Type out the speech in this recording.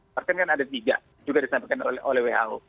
karena kan ada tiga juga disampaikan oleh who